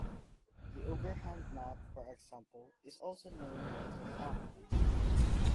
The overhand knot, for example, is also known as the thumb knot.